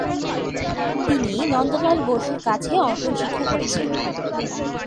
তিনি নন্দলাল বসুর কাছে অঙ্কন শিক্ষা করেছেন।